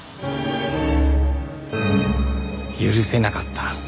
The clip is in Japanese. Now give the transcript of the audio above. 許せなかった。